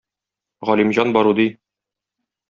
Галимҗан Баруди